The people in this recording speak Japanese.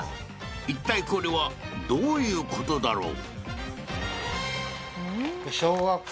いったいこれはどういうことだろう？